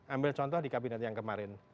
ambil contoh di kabinet yang kemarin